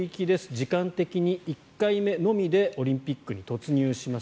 時間的に１回目のみでオリンピックに突入します。